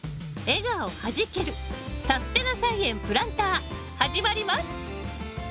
笑顔はじける「さすてな菜園プランター」始まります！